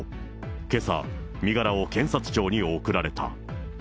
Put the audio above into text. けさ、身柄を検察庁に送られた。